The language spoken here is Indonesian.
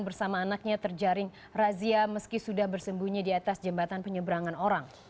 bersama anaknya terjaring razia meski sudah bersembunyi di atas jembatan penyeberangan orang